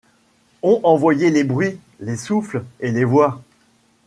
Ont envoyé les bruits, les souffles et les voix ;